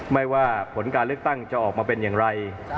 ไม่ว่าผลการเลือกตั้งจะออกมาเป็นอย่างไร